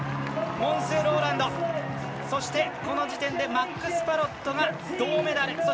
モンス・ローランドそして、この時点でマックス・パロットが銅メダル。